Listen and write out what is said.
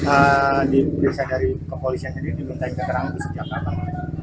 ee di polisi yang tadi diminta keterangan sejak kapan